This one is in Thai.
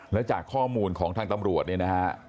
แล้วจากข้อมูลของทางตำรวจเนี่ยนะฮะ